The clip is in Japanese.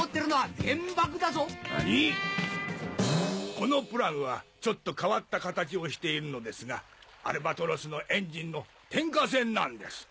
このプラグはちょっと変わった形をしているのですがアルバトロスのエンジンの点火栓なんです。